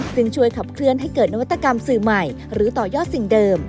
ซึ่งช่วยขับเคลื่อนให้เกิดนวัตกรรมสื่อใหม่หรือต่อยอดสิ่งเดิม